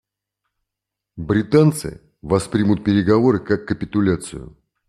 Британцы воспримут переговоры как капитуляцию.